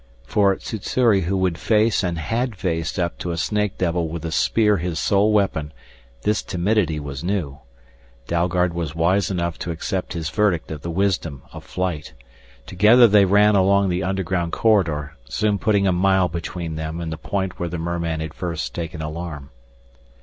For Sssuri who would face and had faced up to a snake devil with a spear his sole weapon, this timidity was new. Dalgard was wise enough to accept his verdict of the wisdom of flight. Together they ran along the underground corridor, soon putting a mile between them and the point where the merman had first taken alarm.